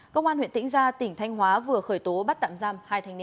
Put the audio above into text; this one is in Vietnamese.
công an huyện tĩnh gia tỉnh thanh hóa vừa khởi tố bắt tạm giam